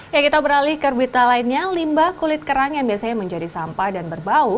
ya kita beralih ke berita lainnya limba kulit kerang yang biasanya menjadi sampah dan berbau